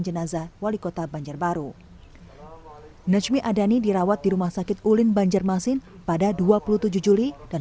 jenazah wali kota banjarbaru nejmi adani dirawat di rumah sakit ulin banjarmasin pada dua puluh tujuh juli dan